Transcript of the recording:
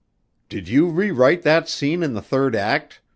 "Did you rewrite that scene in the third act?"